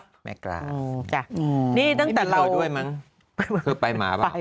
ฝึกไปหมาหรือเปล่า